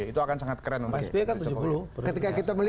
itu akan sangat keren untuk jokowi